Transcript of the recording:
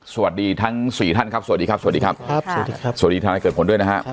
สวัสดีทั้งสี่ท่านครับสวัสดีครับสวัสดีครับครับสวัสดีครับสวัสดีทนายเกิดผลด้วยนะครับ